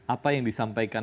apa yang disampaikan